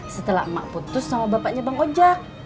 setelah mak putus sama bapaknya bang ojak